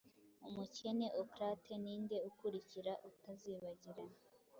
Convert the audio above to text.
Umukene ocrate, ninde ukurikira utazibagirana